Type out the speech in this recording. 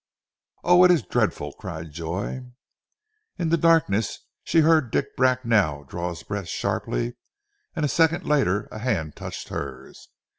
"Oh, it is dreadful!" cried Joy. In the darkness she heard Dick Bracknell draw his breath sharply, and a second later a hand touched hers.